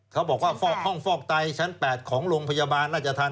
เขาบอกว่าห้องฟอกไตชั้น๘ของโรงพยาบาลน่าจะทัน